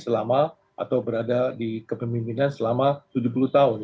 selama atau berada di kepemimpinan selama tujuh puluh tahun